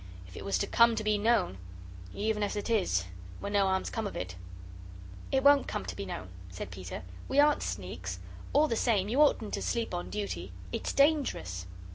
If it was to come to be known even as it is, when no harm's come of it." "It won't come to be known," said Peter; "we aren't sneaks. All the same, you oughtn't to sleep on duty it's dangerous."